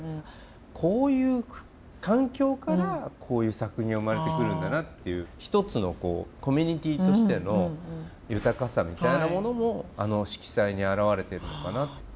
こういう環境からこういう作品が生まれてくるんだなっていう一つのコミュニティーとしての豊かさみたいなものもあの色彩に表れてるのかな。